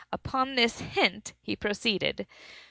Upon this hint he proceeded.